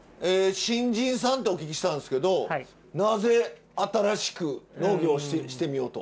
新人さんってお聞きしたんですけどなぜ新しく農業をしてみようと？